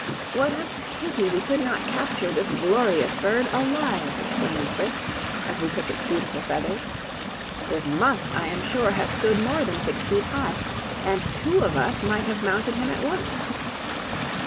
"What a pity we could not capture this glorious bird alive!" exclaimed Fritz, as we took its beautiful feathers; "it must, I am sure, have stood more than six feet high, and two of us might have mounted him at once!"